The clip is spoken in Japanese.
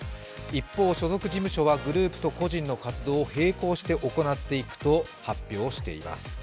一方、所属事務所はグループと個人の活動を並行して行っていくと発表しています。